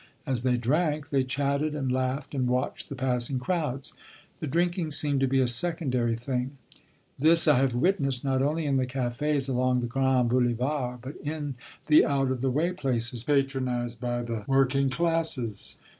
As they drank, they chatted and laughed and watched the passing crowds; the drinking seemed to be a secondary thing. This I have witnessed, not only in the cafés along the Grands Boulevards, but in the out of the way places patronized by the working classes.